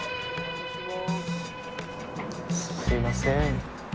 すいません。